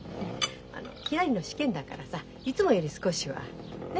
ひらりの試験だからさいつもより少しはね？